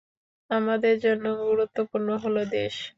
আমাদের জন্য গুরুত্বপূর্ণ হলো দেশ।